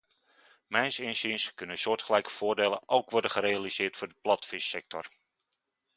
Mijns inziens kunnen soortgelijke voordelen ook worden gerealiseerd voor de platvissector.